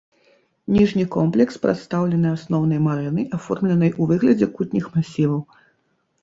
Ніжні комплекс прадстаўлены асноўнай марэнай, аформленай у выглядзе кутніх масіваў.